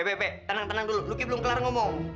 be be tenang tenang dulu luki belum kelar ngomong